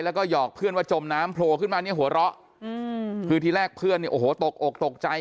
แล้วก็หยอกเพื่อนว่าจมน้ำโผล่ขึ้นมาเนี่ยหัวเราะอืมคือทีแรกเพื่อนเนี่ยโอ้โหตกอกตกใจ